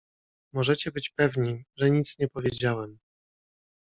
"Możecie być pewni, że nic nie powiedziałem."